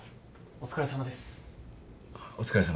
お疲れさまです。